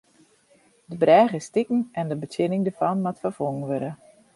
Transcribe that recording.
De brêge is stikken en de betsjinning dêrfan moat ferfongen wurde.